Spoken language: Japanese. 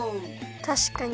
たしかに！